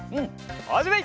はじめい！